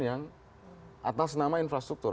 yang atas nama infrastruktur